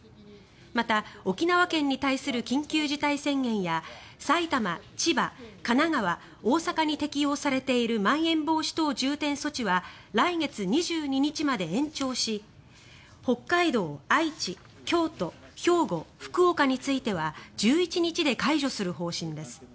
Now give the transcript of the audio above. また、沖縄県に対する緊急事態宣言や埼玉、千葉、神奈川、大阪に適用されているまん延防止等重点措置は来月２２日まで延長し北海道、愛知、京都、兵庫福岡については１１日で解除する方針です。